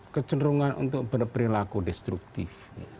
kecenderungan untuk berperilaku destruktif